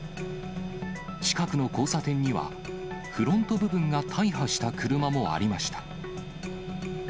近くの交差点には、フロント部分が大破した車もありました。